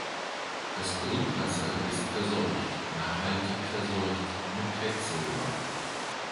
Das Grundwasser ist verseucht, nachhaltig verseucht mit Quecksilber.